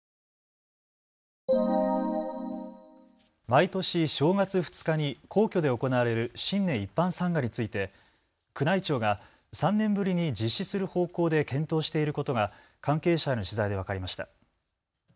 毎年、正月２日に皇居で行われる新年一般参賀について宮内庁が３年ぶりに実施する方向で検討していることが関係者への取材で分かりました。